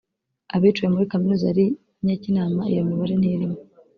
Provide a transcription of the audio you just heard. abiciwe muri Kaminuza yari I Nyakinama iyo mibare ntirimo